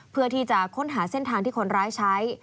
เพื่อที่จะค้นหาเส้นทางที่คนร้ายใช้